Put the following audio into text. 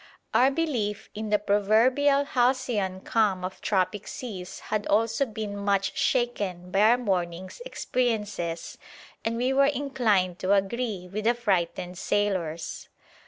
Our belief in the proverbial halcyon calm of tropic seas had also been much shaken by our morning's experiences, and we were inclined to agree with the frightened sailors.